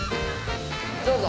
どうぞ。